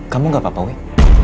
kamu gak apa apa wih